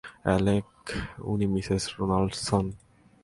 Alec, উনি Mrs Ronaldson.